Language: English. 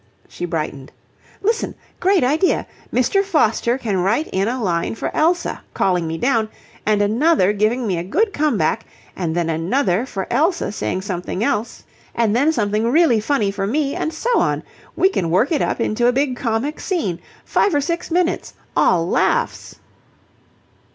She brightened. "Listen! Great idea! Mr. Foster can write in a line for Elsa, calling me down, and another giving me a good come back, and then another for Elsa saying something else, and then something really funny for me, and so on. We can work it up into a big comic scene. Five or six minutes, all laughs."